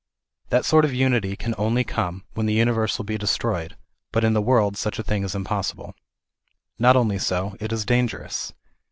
That sort of unity can only come when this uni verse will be destroyed, but in the world such a thing is impossible. Not only so, it is dangerous.